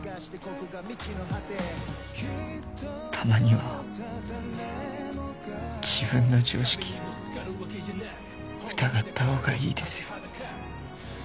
たまには自分の常識疑ったほうがいいですよ。